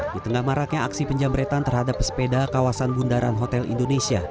di tengah maraknya aksi penjamretan terhadap pesepeda kawasan bundaran hotel indonesia